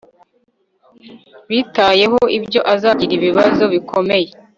bitabaye ibyo, azagira ibibazo bikomeye